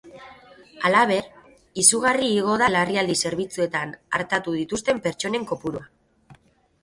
Halaber, izugarri igo da larrialdi zerbitzuetan artatu dituzten pertsonen kopurua.